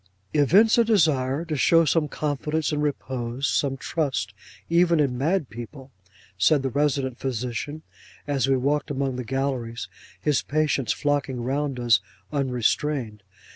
'Evince a desire to show some confidence, and repose some trust, even in mad people,' said the resident physician, as we walked along the galleries, his patients flocking round us unrestrained.